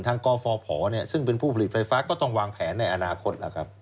ทั้งกฟซึ่งเป็นผู้ผลิตไฟฟ้าก็ต้องวางแผนในอนาคต